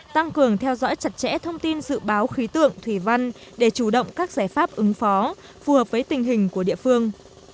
tăng cường theo dõi chặt chẽ thông tin dự báo khí tượng thủy văn để chủ động các giải pháp ứng phó phù hợp với tình hình của địa phương